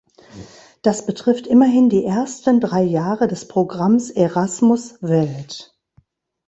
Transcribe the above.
Das betrifft immerhin die ersten drei Jahre des Programms Erasmus Welt.